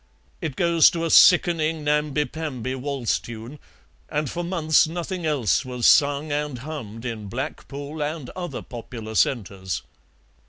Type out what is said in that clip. It goes to a sickening namby pamby waltz tune, and for months nothing else was sung and hummed in Blackpool and other popular centres."